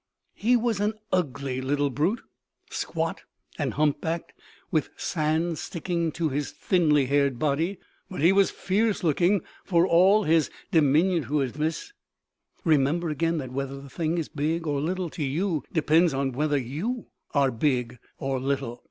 He was an ugly little brute, squat and hump backed, with sand sticking to his thinly haired body. But he was fierce looking for all his diminutiveness. Remember again that whether a thing is big or little to you depends on whether you are big or little.